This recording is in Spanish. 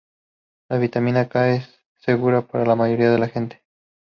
La vitamina K es segura para la mayoría de la gente.